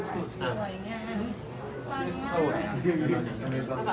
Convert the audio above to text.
พร้อมแล้วมาดู